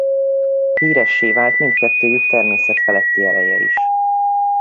Híressé vált mindkettőjük természetfeletti ereje is.